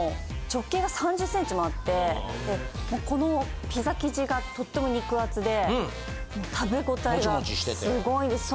直径が３０ｃｍもあってこのピザ生地がとっても肉厚で食べ応えがすごいです。